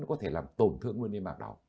nó có thể làm tổn thương nguyên niêm mạc đỏ